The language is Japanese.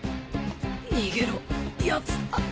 逃げろヤツだ。